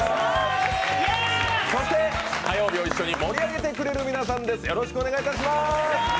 そして火曜日を一緒に盛り上げてくれる皆さんです。